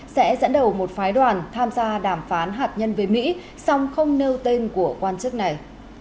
sẽ dẫn đầu một phái đoàn tham gia đàm phán hạt nhân với mỹ song không nêu tên của quan chức này